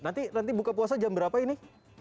nanti buka puasa jam berapa ini